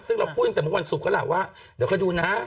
ซึ่งเราพูดตั้งแต่เมื่อวันศุกร์แล้วล่ะว่าเดี๋ยวค่อยดูนะ